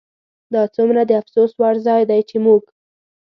دا څومره د افسوس وړ ځای دی چې موږ